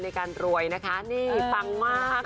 ในการรวยนะคะนี่ปังมาก